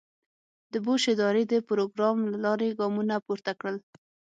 د بوش ادارې د پروګرام له لارې ګامونه پورته کړل.